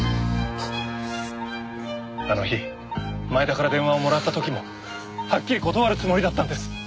あの日前田から電話をもらった時もはっきり断るつもりだったんです。